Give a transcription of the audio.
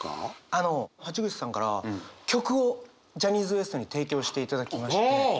あの橋口さんから曲をジャニーズＷＥＳＴに提供していただきまして。